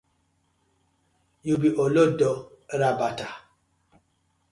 Yu bi olodo rabata.